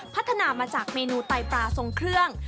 พัฒนามาจากเมนูไตปลาทรงเครื่อง